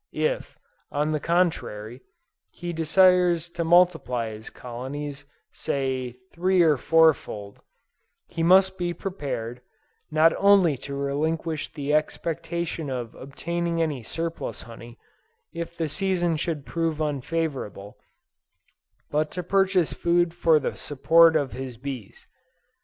If, on the contrary, he desires to multiply his colonies, say, three or four fold, he must be prepared, not only to relinquish the expectation of obtaining any surplus honey, if the season should prove unfavorable, but to purchase food for the support of his bees.